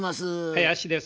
林です。